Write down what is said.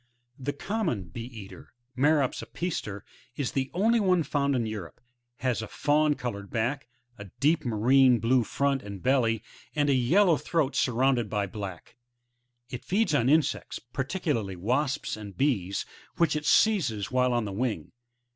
The Com mon Bee eater, — Merops a/>ia«/er,~ the only one found in Europe, has a fawn coloured back, a deep marine blue front and belly, and a yellow throat surrounded by black ; it feeds on insects, particu larly wasps and bees, which it seizes while on the wing.